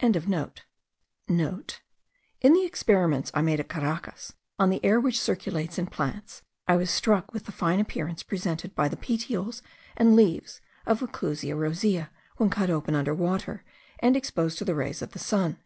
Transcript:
cupeys,* (* In the experiments I made at Caracas, on the air which circulates in plants, I was struck with the fine appearance presented by the petioles and leaves of the Clusia rosea, when cut open under water, and exposed to the rays of the sun.